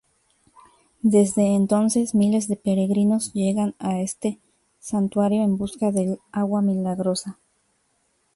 Desde entonces miles de peregrinos llegan a este Santuario en busca del agua milagrosa.